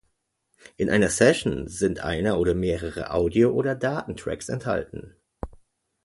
In einer Session sind einer oder mehrere Audio- oder Daten-Tracks enthalten.